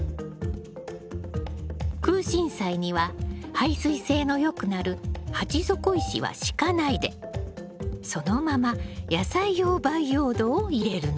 クウシンサイには排水性の良くなる鉢底石は敷かないでそのまま野菜用培養土を入れるの。